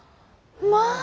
まあ！